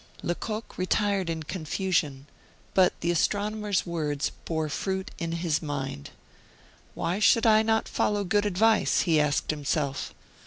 Lecoq retired in confusion; but the astronomer's words bore fruit in his mind. "Why should I not follow good advice?" he asked himself.